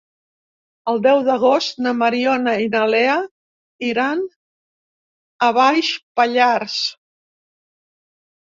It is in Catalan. El deu d'agost na Mariona i na Lea iran a Baix Pallars.